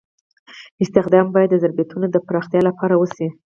استخدام باید د ظرفیتونو د پراختیا لپاره وشي.